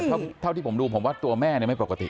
แต่เท่าที่ผมดูผมว่าตัวแม่เนี่ยไม่ปกติ